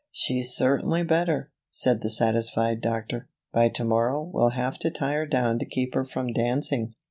"She's certainly better," said the satisfied doctor. "By to morrow we'll have to tie her down to keep her from dancing.